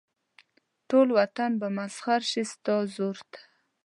ټول وطن به مسخر شي ستاسې زور ته.